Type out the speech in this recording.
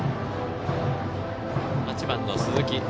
８番の鈴木。